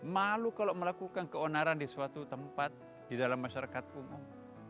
malu kalau melakukan keonaran di suatu tempat di dalam masyarakat umum